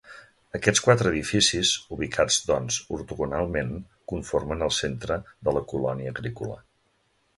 Aquests quatre edificis, ubicats doncs ortogonalment, conformen el centre de la colònia agrícola.